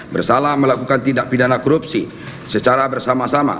bersalah melakukan tindak pidana korupsi secara bersama sama